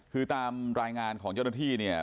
คือตามรายงานของเจ้าหน้าที่เนี่ย